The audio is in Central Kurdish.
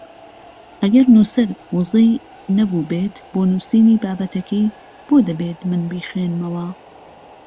ئەگەر نووسەر ووزەی نەبووبێت بۆ نووسینی بابەتەکەی بۆ دەبێت من بیخوێنمەوە؟